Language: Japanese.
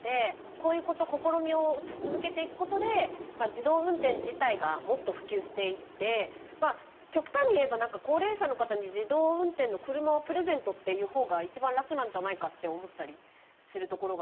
こういう事試みを続けていく事で自動運転自体がもっと普及していって極端に言えば高齢者の方に自動運転の車をプレゼントっていうほうが一番楽なんじゃないかって思ったりするところがある。